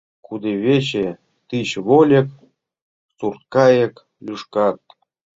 Кудывече тич вольык, сурткайык лӱшкат.